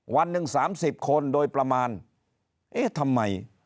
วันหนึ่ง๓๐คนโดยประมาณเอ๊ะทำไม